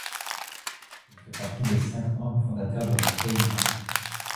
Il fait partie des cinq membres fondateurs de la K-League.